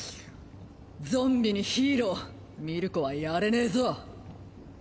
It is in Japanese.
ゾンビにヒーローミルコは殺れねェぞ。